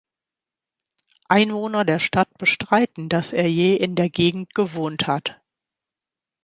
Einwohner der Stadt bestreiten, dass er je in der Gegend gewohnt hat.